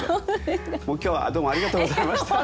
もう今日はどうもありがとうございました。